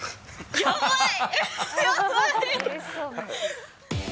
やばい！